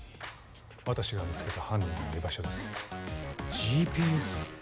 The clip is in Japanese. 私が見つけた犯人の居場所ですＧＰＳを？